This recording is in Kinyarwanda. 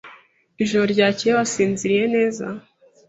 Ijoro ryakeye wasinziriye neza?